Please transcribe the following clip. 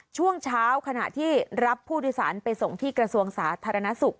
ช่วงเช้าขณะที่รับผู้โดยสารไปส่งที่กระทรวงสาธารณสุข